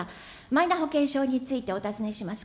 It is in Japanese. マイナ保険証についてお尋ねします。